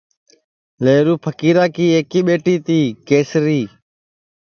لیہرو پھکیرا کی ایکی ٻیٹی تی کیسری